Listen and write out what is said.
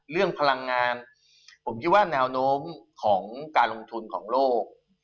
พลังงานผมคิดว่าแนวโน้มของการลงทุนของโลก